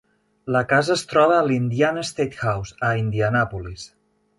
La casa es troba a l'Indiana Statehouse a Indianapolis.